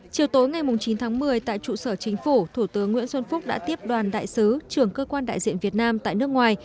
chiều tối ngày chín tháng một mươi tại trụ sở chính phủ thủ tướng nguyễn xuân phúc đã tiếp đoàn đại sứ trưởng cơ quan đại diện việt nam tại nước ngoài